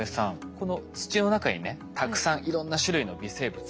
この土の中にねたくさんいろんな種類の微生物がいます。